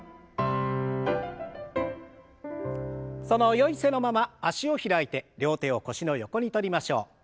そのよい姿勢のまま脚を開いて両手を腰の横にとりましょう。